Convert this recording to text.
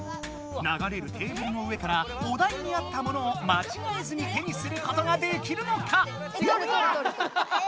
ながれるテーブルの上からお題にあったものをまちがえずに手にすることができるのか！